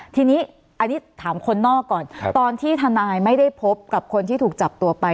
ทีนี้อันนี้ถามคนนอกก่อนตอนที่ทนายไม่ได้พบกับคนที่ถูกจับตัวไป